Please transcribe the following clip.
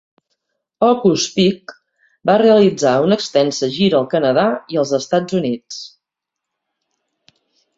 Hokus Pick va realitzar una extensa gira al Canadà i als Estats Units.